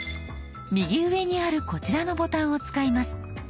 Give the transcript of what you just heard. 右上にあるこちらのボタンを使います。